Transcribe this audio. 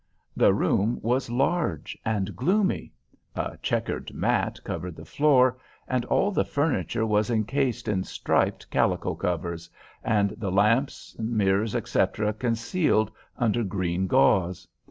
The room was large and gloomy. A checquered mat covered the floor, and all the furniture was encased in striped calico covers, and the lamps, mirrors, etc. concealed under green gauze.